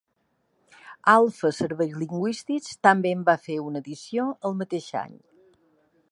Alfa Serveis Lingüístics també en va fer una edició el mateix any.